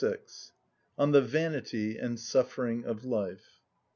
(41) On The Vanity And Suffering Of Life.